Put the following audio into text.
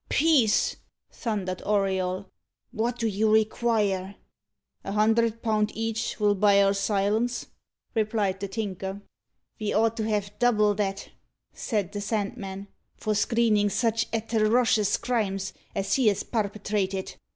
"Peace!" thundered Auriol. "What do you require?" "A hundred pound each'll buy our silence," replied the Tinker. "Ve ought to have double that," said the Sandman, "for screenin' sich atterocious crimes as he has parpetrated.